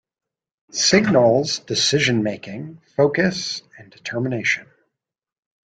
Signals decision making, focus and determination.